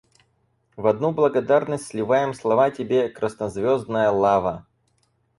В одну благодарность сливаем слова тебе, краснозвездная лава.